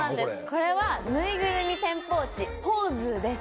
これはぬいぐるみ兼ポーチポーズーです。